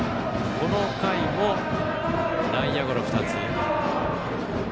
この回も内野ゴロ２つ。